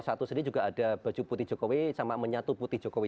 satu sendiri juga ada baju putih jokowi sama menyatu putih jokowi